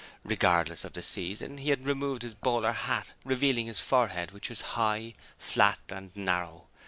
Regardless of the season, he had removed his bowler hat, revealing his forehead, which was high, flat and narrow.